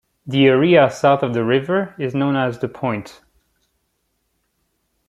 The area south of the river is known as The Point.